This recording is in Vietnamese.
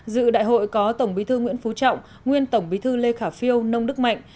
dự đại hội có tổng bí thư nguyễn phú trọng nguyên tổng bí thư lê khả phiêu nông đức mạnh